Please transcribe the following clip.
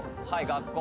学校